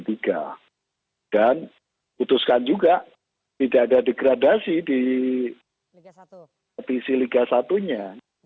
dan putuskan juga tidak ada degradasi di kompetisi liga satu nya